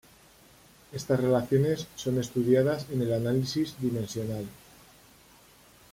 Estas relaciones son estudiadas en el análisis dimensional.